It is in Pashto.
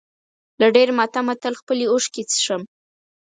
له ډېر ماتمه تل خپلې اوښکې څښم.